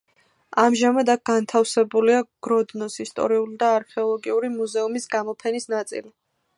ამჟამად, აქ განთავსებულია გროდნოს ისტორიული და არქეოლოგიური მუზეუმის გამოფენის ნაწილი.